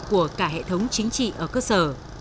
của cả hệ thống chính trị ở cơ sở